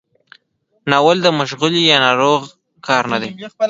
ناول د مشغلې یا ناروغ کار نه دی.